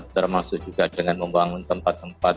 termasuk juga dengan membangun tempat tempat